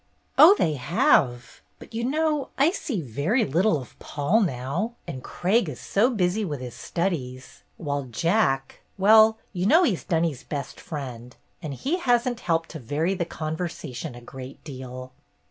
"Oh, they have. But you know I see very little of Paul now, and Craig is so busy with his studies, while Jack — well, you know he's Dunny's best friend, and he has n't helped to vary the conversation a great deal."